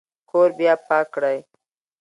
کور بیا پاک کړئ